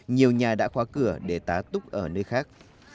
nhiều nhà đã khóa cửa để tá túc ở nơi khác